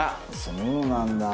そうなんだ。